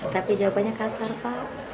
tapi jawabannya kasar pak